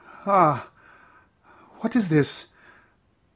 Ah! what is this?